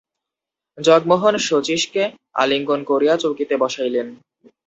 জগমোহন শচীশকে আলিঙ্গন করিয়া চৌকিতে বসাইলেন।